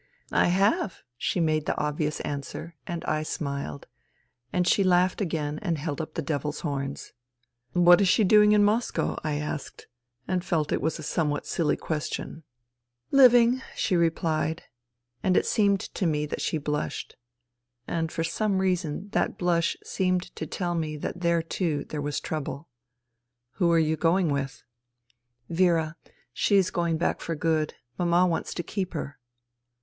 " I have," she made the obvious answer and I smiled, and she laughed and again held up the devil's horns. " What is she doing in Moscow ?" I asked, and felt it was a somewhat silly question. " Living," she replied. And it seemed to me that she blushed. And for some reason that blush seemed to tell me that there, too, there was trouble, " Who are you going with ?"" Vera. She is going back for good. Mama wants to keep her."